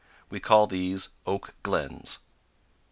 We call these Oak Glens.